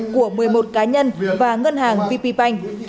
của một mươi một cá nhân và ngân hàng vp banh